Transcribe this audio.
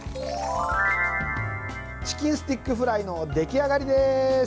チキンスティックフライの出来上がりです！